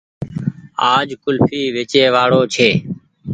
آج ڪولڦي ويچي واڙو ڇي